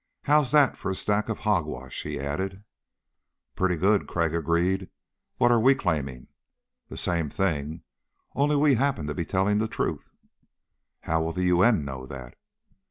"How's that for a stack of hogwash?" he ended. "Pretty good," Crag agreed. "What are we claiming?" "The same thing. Only we happen to be telling the truth." "How will the U.N. know that?"